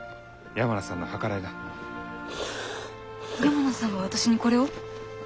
山名さんが私にこれを？